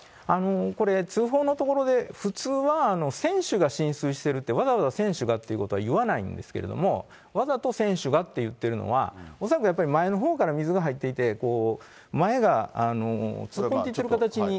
これ、通報のところで普通は船首が浸水してるって、わざわざ船首がということは言わないんですけれども、わざと船首がって言ってるのは、恐らくやっぱり前のほうから水が入っていて、こう、前が突っ込んでいってる形に。